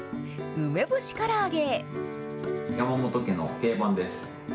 梅干しから揚げ。